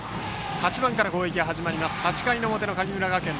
８番から攻撃が始まる８回の表の神村学園。